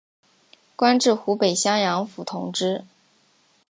官至湖北襄阳府同知。